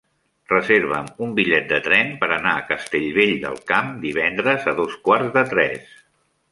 Reserva'm un bitllet de tren per anar a Castellvell del Camp divendres a dos quarts de tres.